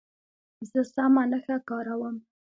زه سمه نښه کاروم.